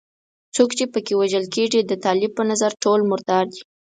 څوک چې په کې وژل کېږي د طالب په نظر ټول مردار دي.